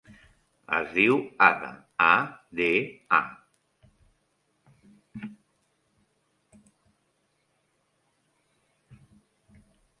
Es diu Ada: a, de, a.